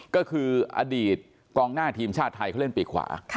ก็คืออดีตกองหน้าทีมชาติไทยเขาเล่นปีกขวา